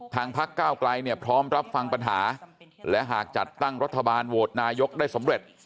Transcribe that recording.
พักก้าวไกลเนี่ยพร้อมรับฟังปัญหาและหากจัดตั้งรัฐบาลโหวตนายกได้สำเร็จ